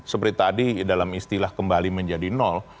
seperti tadi dalam istilah kembali menjadi nol